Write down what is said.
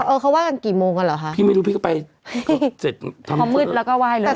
เออเขาว่ากันกี่โมงกันเหรอคะพี่ไม่รู้พี่ก็ไปเสร็จทำพอมืดแล้วก็ไห้เลย